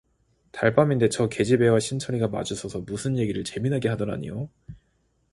달밤인데 저 계집애와 신철이가 마주서서 무슨 얘기를 재미나게 하더라니요.